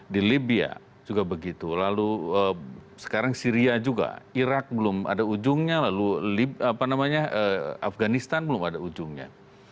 di libya juga begitu lalu sekarang syria juga irak belum ada ujungnya lalu afganistan belum ada ujungnya